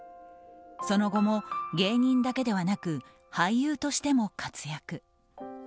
その後も芸人だけではなく俳優としても活躍。